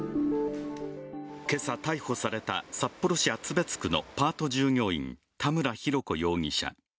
今朝、逮捕された札幌市厚別区のパート従業員・田村浩子容疑者。